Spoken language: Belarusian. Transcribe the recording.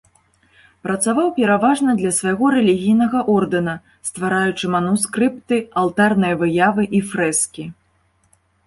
Працаваў, пераважна, для свайго рэлігійнага ордэна, ствараючы манускрыпты, алтарныя выявы і фрэскі.